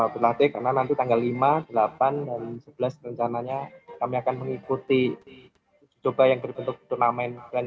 berlatih karena nanti tanggal lima delapan dan sebelas rencananya kami akan mengikuti uji coba yang berbentuk turnamen